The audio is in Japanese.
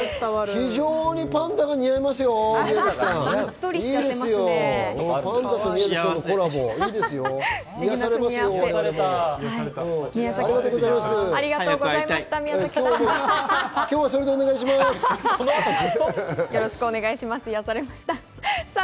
非常にパンダが似合いますよ、宮崎さん。